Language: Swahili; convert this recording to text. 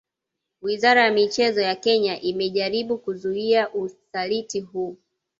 Wizara ya michezo ya Kenya imejaribu kuzuia usaliti huu